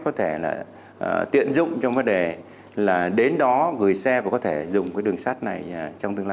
có thể tiện dụng trong vấn đề là đến đó gửi xe và có thể dùng đường sát này trong tương lai